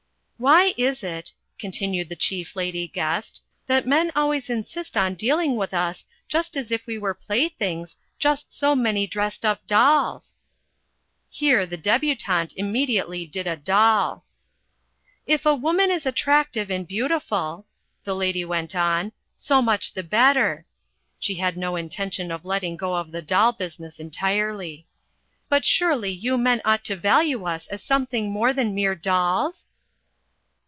"Why is it," continued the Chief Lady Guest, "that men always insist on dealing with us just as if we were playthings, just so many dressed up dolls?" Here the Debutante immediately did a doll. "If a woman is attractive and beautiful," the lady went on, "so much the better." (She had no intention of letting go of the doll business entirely.) "But surely you men ought to value us as something more than mere dolls?"